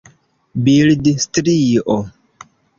bildstrio